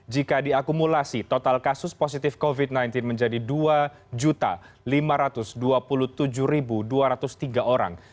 jika diakumulasi total kasus positif covid sembilan belas menjadi dua lima ratus dua puluh tujuh dua ratus tiga orang